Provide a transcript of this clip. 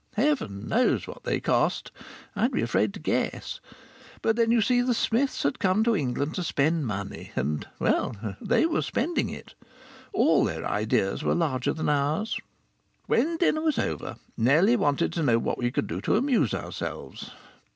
Heaven knows what they cost! I'd be afraid to guess. But then you see the Smiths had come to England to spend money, and well they were spending it. All their ideas were larger than ours. When dinner was over Nellie wanted to know what we could do to amuse ourselves.